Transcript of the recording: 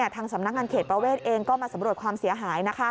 ทางสำนักงานเขตประเวทเองก็มาสำรวจความเสียหาย